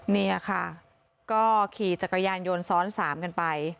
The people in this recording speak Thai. นี่ค่ะก็ขี่จักรยานยนต์ซ้อน๓กันไป